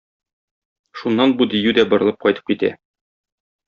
Шуннан бу дию дә борылып кайтып китә.